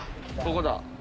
ここだ。